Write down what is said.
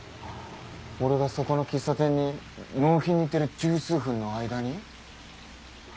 俺がそこの喫茶店に納品に行ってる十数分の間に？